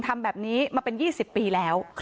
ทำแบบนี้มาเป็น๒๐ปีแล้ว